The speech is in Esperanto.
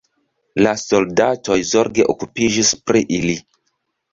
La soldatoj zorge okupiĝis pri ili.